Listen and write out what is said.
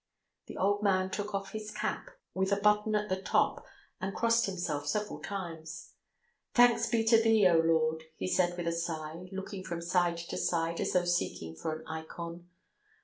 The old man took off his cap with a button at the top and crossed himself several times. "Thanks be to Thee, O Lord!" he said with a sigh, looking from side to side as though seeking for an ikon.